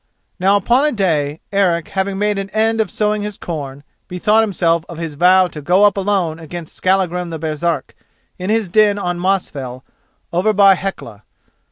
Now upon a day, Eric having made an end of sowing his corn, bethought himself of his vow to go up alone against Skallagrim the Baresark in his den on Mosfell over by Hecla.